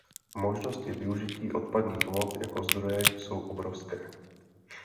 Možnosti využití odpadních vody jako zdroje jsou obrovské.